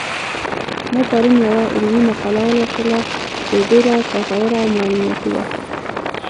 ما پرون یوه علمي مقاله ولوستله چې ډېره ګټوره او معلوماتي وه